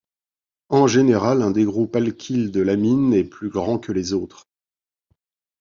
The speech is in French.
En général, un des groupes alkyle de l'amine est plus grand que les autres.